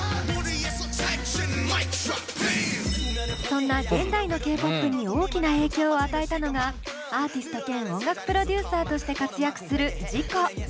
そんな現代のＫ−ＰＯＰに大きな影響を与えたのがアーティスト兼音楽プロデューサーとして活躍するＺＩＣＯ。